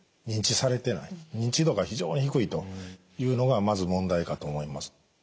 認知されてない認知度が非常に低いというのがまず問題かと思います。